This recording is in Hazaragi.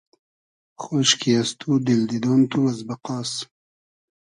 خۉشکی از تو دیل دیدۉن تو از بئقاس